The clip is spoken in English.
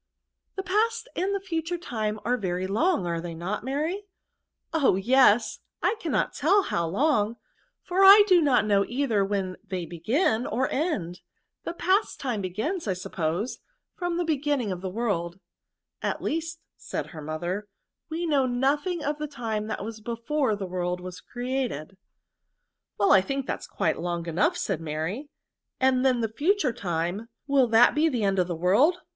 The past and the future time are very long, are they not, Mary ?"Oh ! yes ; I cannot teU how long, for I do not know either when they begin or end. The past time begins, I suppose, from the be ginning of the world." •*At least," said her mother, "we know nothing of the time that was before the world was created. " Well I think that is quite long enough," said Mary; '^and then the future time, will that be to the end of the world?